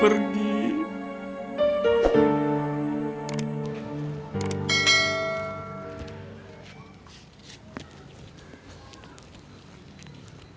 ke tempat yang lain